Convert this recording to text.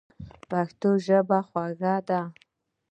پښتو ژبه خوږه ده.